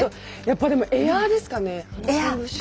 やっぱりエアですかね。